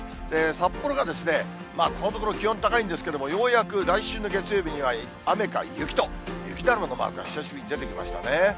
札幌がこのところ、気温高いんですけれども、ようやく来週の月曜日には雨か雪と、雪だるまのマークが久しぶりに出てきましたね。